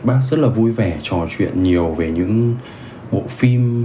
bác rất là vui vẻ trò chuyện nhiều về những bộ phim